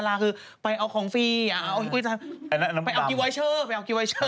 ก็คือไปเอาของฟรีไปเอากิวไวเชอร์